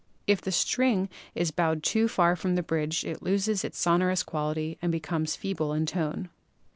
If the string is bowed too far from the bridge it loses its sonorous quality and becomes feeble in tone.